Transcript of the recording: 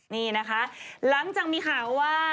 นี่นะคะหลังจากมีข่าวว่า